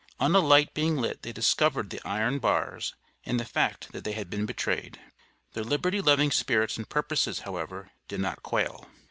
On a light being lit they discovered the iron bars and the fact that they had been betrayed. Their liberty loving spirits and purposes, however, did not quail.